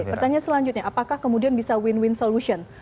pertanyaan selanjutnya apakah kemudian bisa win win solution